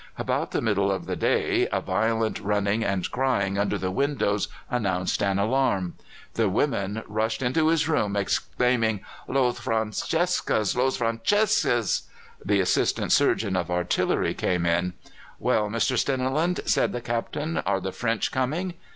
About the middle of the day a violent running and crying under the windows announced an alarm. The women rushed into his room, exclaiming, "Los Franceses, los Franceses!" The assistant surgeon of artillery came in. "Well, Mr. Steniland," said the Captain, "are the French coming?"